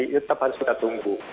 itu harus kita tunggu